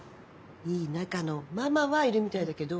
いい仲のママはいるみたいだけど。